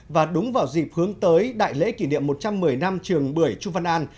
và đúng vào dịp hướng tới đại lễ kỷ niệm một trăm một mươi năm trường bưởi chu văn an